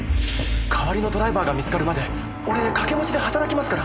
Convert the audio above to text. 代わりのドライバーが見つかるまで俺掛け持ちで働きますから！